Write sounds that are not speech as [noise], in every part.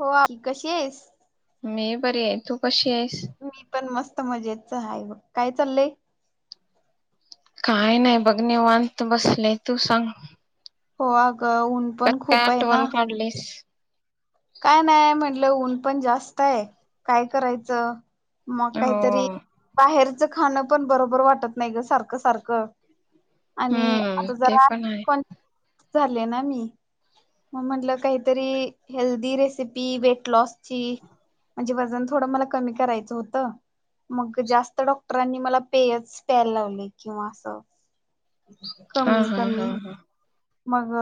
हो आ कशीस मी बरी आहे तू कशी आहे मी पण मस्त मजेतच हाये बघ काय चाललय काय नाही बघने वनत बसले तू सांग हो आ ऊन पण त्यात काय खूप आहे ना आठवण काढलीस? काय नाही म्हटलं ऊन पण जास्त आहे काय करायचं मग हो काहीतरी बाहेर च खण पण बरोबर वाटत नाही ग सारखं सारखं आणि हम्म आता ते जरा पण आहे कोण झाले ना मी मग म्हटलं काहीतरी हेल्दी रेसिपी वेट लॉसची म्हणजे वजन थोडं मला कमी करायचं होतं मग जास्त डॉक्टरांनी मला पेयच प्यायल लावले किंवा असं हा कमी हा हा कमी हा मग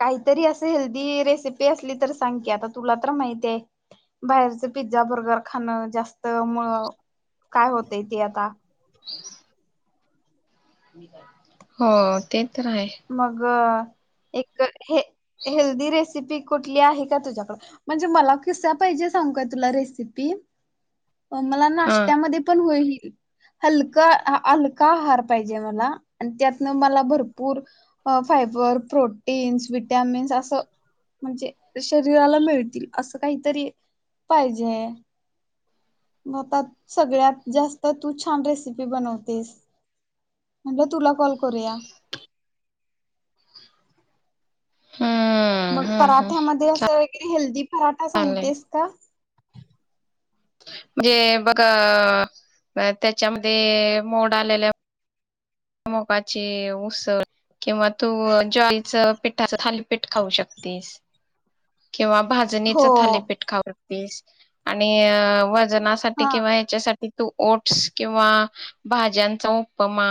काहीतरी असे हेल्दी रेसिपी असली तर सांग की आता तुला तर माहिती आहे बाहेरच पिझ्झा बर्गर खाणं जास्त मु काय होतय ते आता ह मी का हो तेच मग एक हे हेल्दी रेस सिपी कुठली आहे का तुझ्याकड म्हणजे मला कस पाहिजे सांग का तुला रेसिपी मला हा नाश्त्यामध्ये पण होईल हलका हलका आहार पाहिजे मला आणि त्यातन मला भरपूर ूर फायबर प्रोटीन् विटमिन्स अस म्हणजे शरीराला मिळतील अस काहीतरी पाहिजे म आता सगळ्यात जास्त तू छान रेसिपी बनवतेस म्हण तु कॉल कोरया हम्म मग हम्म हम्म पराठ्यामध्ये असं वगैरे हेल्दी राठा चालेल सांगतेस का म्हणजे बघ त्याच्यामध्ये मोड आलेल्या मोगाचे उसळ किंवा तू ज्वाळीच पिठाच खथालीपीठ खाऊ शकतेस किंवा हो भाजणीचं थालेपीठ खाव वीस आणि साठी हा किंवा याच्यासाठी त तू ओट्स किंवा भाज्यांचा उपमा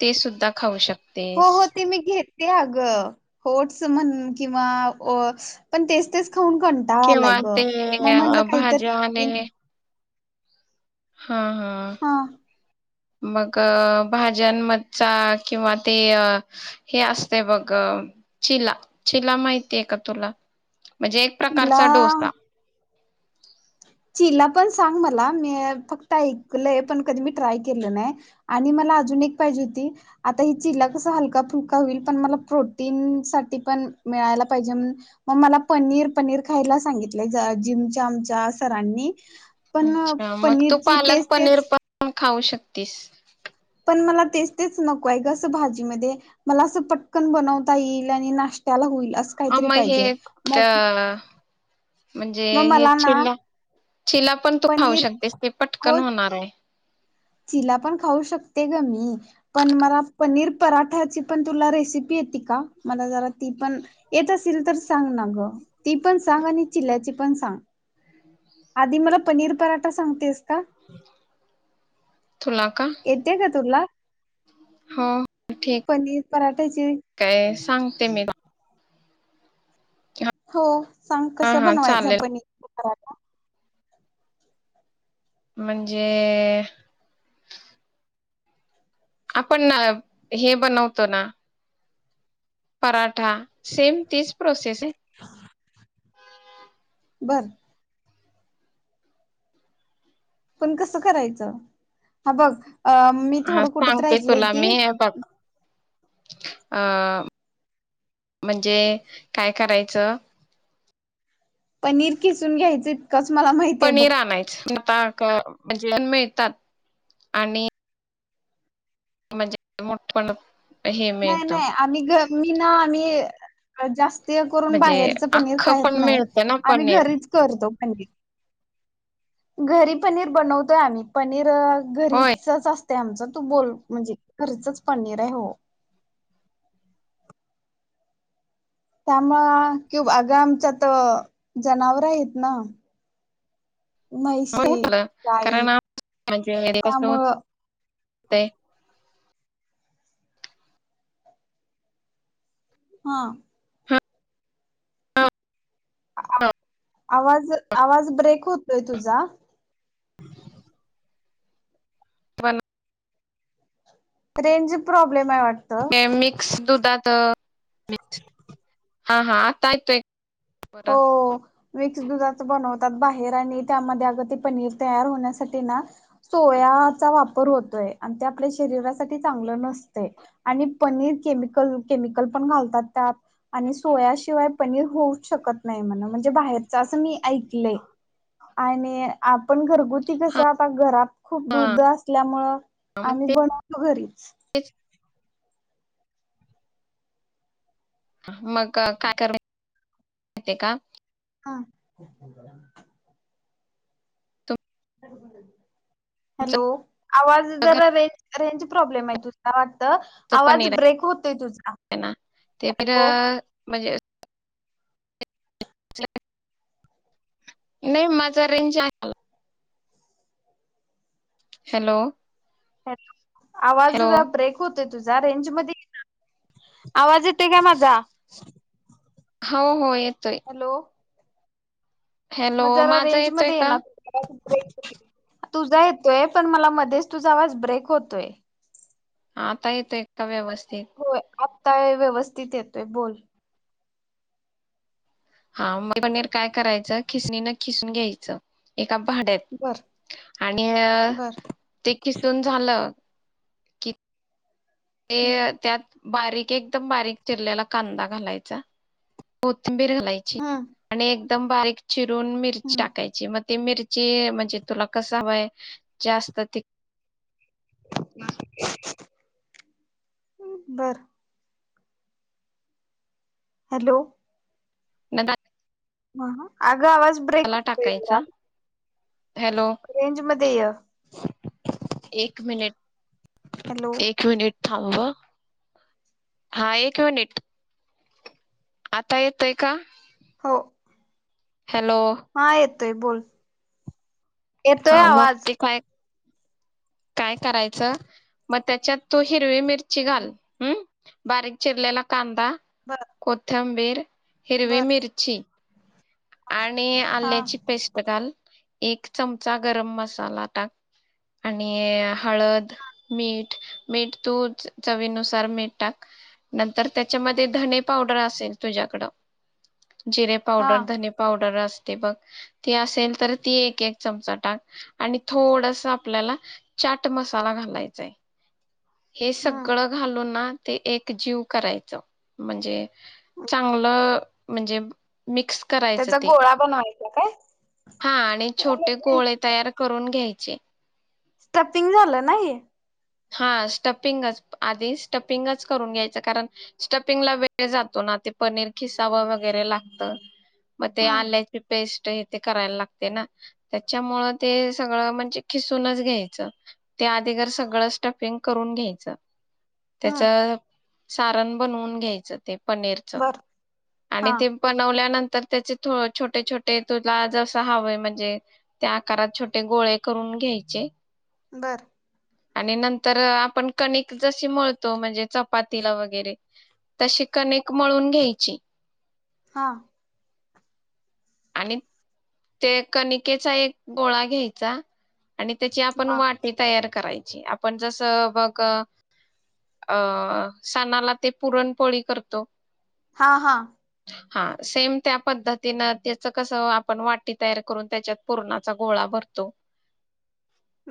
ते सुद्धा खाऊ शकत हो हो ते मी घेत ते अ ग होटस म्हण किंवा पण तेच तेच खाऊन कंटाळालाय किंवा ग ते मग म्हटलं भाज्या काहीतरी आणि हा हा मग भाज्यां मचा किंवा ते हे असतंय बघ चिला चिला माहितीय का तुला? म्हणजे एक प्रकारचा तिला डोसा. [inaudible] चिला पण सांग मला मी फक्त ऐकलंय पण कधी मी ट्राय केलं नाही. आणि मला अजून एक पाहिजे होती आता ह चिला कस हलका फुलका होईल पण मला प्रोटीन साठी पण मिळायला पाहिजे मग मला पनीर पनीर खायला सांगितलंय जिमच्या आमच्या सरांनी पण अच्छा मग तू पनीरची पालक तेच पनीर तेच पण खाऊ शकतेस. पण मला तेच तेच नको आहे गं भाजी मध्ये मला असं पटकन बनवता येईल आणि नाष्ट्याला होईल असं आ् काहीतरी म् हे पाहिजे. त् मग म्हणजे मग हे मला ना चिला चिला पण तू खाऊ पनीर शकतेस. ते पटकन हो होणार आहे. चिला पण खाऊ शकते गं मी पण मला पनीर पराठ्याची पण तुला रेसिपी येती का मला जरा ती पण येत असेल तर सांगना गं ती पण सांग आणि चिल्याची पण सांग आधी मला पनीर पराठा सांगतेयस् [inaudible] का येतेय काय तुला? हो. ठीक पनीर पराठ्याची काय सांगते मी म् हो सांग हा कसा हा बनवायचा चालेल. पनीर पराठा? म्हंजे आपण हे बनवतो ना पराठा सेम तीच प्रोसेस आहे. बर पण कसं करायचं? हा बग अ मी हा थोडं कुठतर सांगते ऐकलंय तुला की मी हे बघ अ म्हणजे काय करायचं पनीर किसून घ्यायचय इतकचं मला माहितीय बघ. पनीर आणायचं आता का् म्हणजे मिळतात आणि म्हणजे मोठ पण हे नाही मिळतं नाही आम्ही गं मी ना आम्ही अ् ज जास्त ते करून म्हणजे बाहेरच पनीर अख्खं खाईत पण नाही मिळतं ना आम्ही पनीर घरीच करतो पनीर. घरी पनीर बनवतोय आम्ही पनीर होय. घरीच असत्या - - ते आमच तू बोल म्हणजे घरचच पनीर आहे हो. त्यामुळे कि आग आमच्या त जनावर आहेत ना! म्हैशी गाई [unintelligible] त्यामुळं ते हा. आवाज आवाज ब्रेक होतोय तुझा. [unintelligible] पण - - रेंज प्रॉ प्रॉब्लेम आहे वाटत. ते मिक्स दुधात हा हाता यो हो मिक्स दुधाच बनव- - बाहेर आणि त्यामध्ये अगदी पनीर तयार होण्यासाठी ना सोयाचा वापर होतोय आणि ते आपल्या शरीरासाठी चांगलं नसते आणि पनीर केमिकल पण घालतात त्यात आणि सोयाशिवाय पनीर होऊ - - शकत नाही म्हन. बाहेरच असं मी ऐकलं. आणि आपण घरगु- - गुती कस आता घरात खूप दुध असल्यामुळं मग आम्ही बनवतो घरीच. तेच मग काय कर माहिती आहे का? हा तुमचं हॅलो. आवाज जरा घरचं रे - - रेंज प्रॉब्लेम आहे तुझा वाटत. आवाज पनीर ब्रेक होतय तुझा. आहे ना ते पण म्हणजे नाही माझा रेंज आहे मला. हॅलो. हॅलो. आवाज हॅलो द ब्रेक हो - - तुझा रेंज मध्ये ये ना. आवाज येते का माझा. हो हो येतोय हॅलो. हॅलो मग जरा माझा रेंज येतोय मध्ये ये का ना. तुझा येतोय पण मला मध्येच तुझा आवाज ब्रेक होतोय. हा आता येतोय. आता व्यवस्थित - - आता व्यवस्थित येतोय बोल! हा म पनीर काय करायचं! खिसणीन खिसून घ्यायचं! बर भांड्यात आणि बर ते किसून झालं की ते हम्म त्यात बारीक एकदम बारीक चिरल्याला कांदा घालायचा! कोथिंबीर घालायची आणि एकदम बारीक चिरून दोन मिरचि हम्म टाकायची मग ते मिरची म्हणजे तुला कस हवय जास्त ती बर हॅलो [inaudible] ह ह ग आवाज ब्रेक होयला टाकायचा हॅलो रेंज मध्ये ये! एक हॅलो मिनिट एक मिनिट थांब ह्म्म हा येतोय नीट! आता येतोय का? हो हॅलो ते बोल हा येतोय मग आवाज ते काय? काय करायचं मग त्याच्यात तो हिरवे मिर ची घाल हम् बारीक चिरलेला कांदा बर थंबेर हिरवी बर मिर्ची आणि हा आल्याची पेस्ट घाल एक चमचा गरम मसाला टाक आणि हळद मीठ मीठ तू चवीनुसार मीठ टाक नंतर त्याच्यामध्ये धणे पावडर असेल तुझ्याकड जिरे हा पावडर धने असतय बघ ते असेल तर ती एक एक चमचा टाक आणि थोडस आपल्याला चाट मसाला घालायचाय! हे हम्म सगळं घालून ना ते एक जीव करायचं म्हणजे चांगलं म्हणजे मिक्स करायच त्याचा ते गोळा बनवायचा काय? हा आणि छोटे गोळे तयार करून घ्यायचे स्टपिंग झालं नाही हा स्टपिंगच आधी स्टपिंगच करून घ्यायचं कारण स्टपिंगला वेळ जातो ना ते पनीर खिसावं वगैरे लागतं मे आ हम्म लाची पेस्ट करायला लागते ना त्याच्यामुळे ते सगळ म्हणजे खिूनच घ्यायच ते आधीर सगळं स्टफिंग करून घ्यायचं त्याच हम्म सारण बनवून घ्यायचं ते पनीरचं बर आणि हा ते बनवल्यानंतर तर त्याचे छोटे छोटे तुला जसं हवंय म्हणजे त्या आकारात छोटे गोळे करून घ्यायचे बर आणि नंतर आपण कणिक जशी मळतो म्हणजे चपातीला वगैरे तशी कणिक मळून घ्यायची हा आणि ते कणिकेचा एक गोळा घ्यायचा आणि त्याची आपण हा वाटी तयार करायची आपण जस बघ अ सणाला ते पुरणपोळी करतो हा हा हा सेम त्या पद्धतीनं कस आपण वाटी तयार करून त्याच्यात परणाचा गोळा भरतो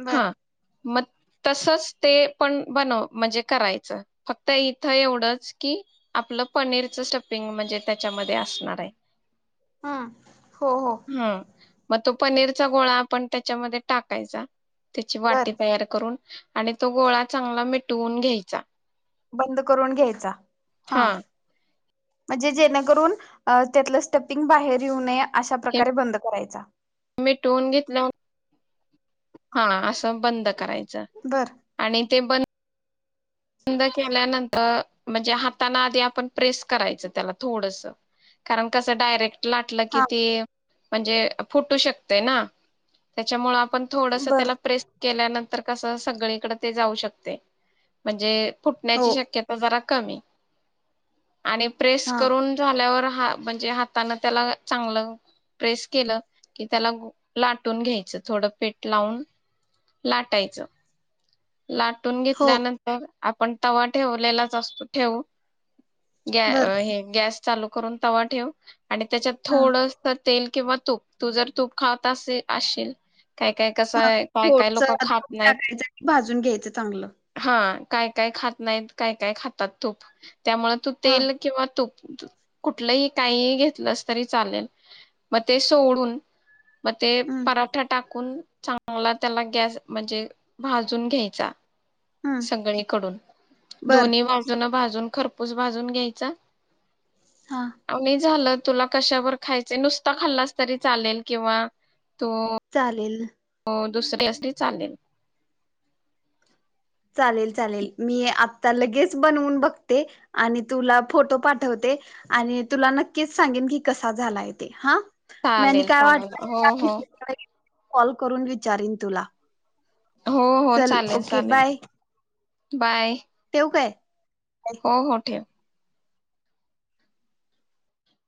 बरं हा मग तसच ते पण बनव म्हणजे करायचं फक्त इथं एवढंच की आपलं पनीरच स्टपिंग म्हणजे त्याच्यामध्ये असणार आहे हम् हो हो हा मग तो पनीरचा गोळा आपण त्याच्यामध्ये टाकायचा त्याची वाटी बर तयार करून आणि तो गोळा चांगला मिटवून घ्यायचा बंद करून घ्यायचा हा म्हणजे जेणेकरून त्यातलं स्टपिंग बाहेर येऊ नये अशा प्रकारे बंद करायचा मी टून घेतला हा असं बंद करायचं बर ते ब बंद केल्यानंतर म्हणजे हाताने आधी आपण प्रेस करायचं त्याला थोडस कारण कसं डायरेक्ट लाटलं हा किती म्हणजे फुटू शकते ना त्याच्यामुळे पण थोडस बर त्याला प्रेस केल्यानंतर कसं सगळीकडे ते जाऊ शकते म्हणजे हो फुटण्याची शक्यता जरा कमी आणि प्रेस हा करून झाल्यावर हा म्हणजे हातानं त्याला चांगलं प्रेस केलं कि त्याला लाटून घ्यायचं थोडं पीठ लावून लाटायचं लाटून हो घेतल्यानंतर आपण तवा ठेवलेलाच असतो ठेवू गॅ बर ह हे गॅस चालू करून तवा ठेव आणि त्याच्यात हा थोडंस तर तेल किंवा तूप तू जर तूप खात असे असशील काय काय कसं हा आहे काय काय थोडस लोक खात तूप नाहीत टाकायचं आणि भाजून घ्यायचं चांगलं हा काय काय खात नाहीत काय काय खातात तूप त्यामुळे तू हा तेल किंवा तूप कुठलंही काही घेतलंस तरी चालेल मग ते सोडून म ते हम्म पराठा टाक टाकून चांगला त्याला गॅस म्हणजे भाज भाजून घ्यायचा हम्म सगळीकडून बर दोन्ही बाजुन भाजून खरपूस भाजून घ्यायचा हा आणि झालं तुला कशावर खायच नुसता खाल्लास तरी चालेल किंवा तो चालेल दुसरी असली चालेल चालेल चालेल मी आत्ता लगेच बनवून बघते आणि तुला फोटो पाठवते आणि तुला नक्कीच सांगेन की कसा झाला आहे ते हा नाही चालेल काय वाट चालेल हो हो कॉल करून विचारीन तुला हो हो चल चालेल ओके चालेल बाय बाय ठेवू काय हो हो ठेव